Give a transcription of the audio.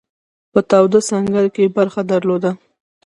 په تاوده سنګر کې برخه درلوده.